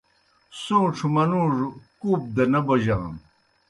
سُوݩڇھوْ منُوڙوْ کُوپ دہ نہ بوجانوْ